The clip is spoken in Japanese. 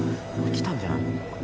・きたんじゃない？